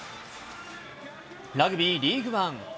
ラグビーリーグワン。